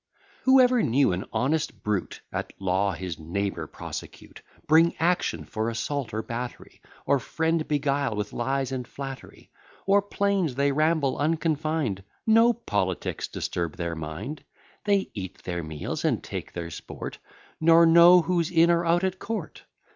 _ Whoever knew an honest brute At law his neighbour prosecute, Bring action for assault or battery, Or friend beguile with lies and flattery? O'er plains they ramble unconfined, No politics disturb their mind; They eat their meals, and take their sport Nor know who's in or out at court.